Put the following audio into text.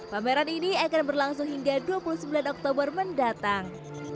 pameran ini akan berlangsung hingga dua puluh sembilan oktober mendatang